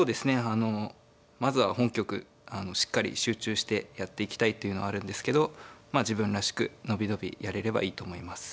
あのまずは本局しっかり集中してやっていきたいというのはあるんですけどまあ自分らしく伸び伸びやれればいいと思います。